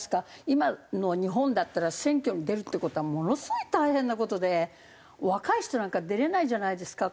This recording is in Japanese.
今の日本だったら選挙に出るって事はものすごい大変な事で若い人なんか出れないじゃないですか。